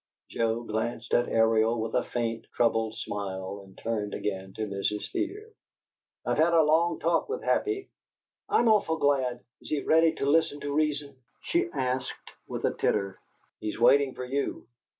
Joe glanced at Ariel with a faint, troubled smile, and turned again to Mrs. Fear. "I've had a long talk with Happy." "I'm awful glad. Is he ready to listen to reason? she asked, with a titter. "He's waiting for you."